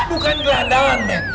bukan gelandangan be